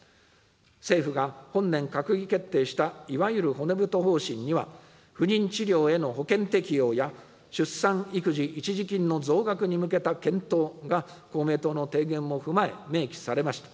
政府が本年閣議決定したいわゆる骨太方針には、不妊治療への保険適用や出産育児一時金の増額に向けた検討が、公明党の提言も踏まえ、明記されました。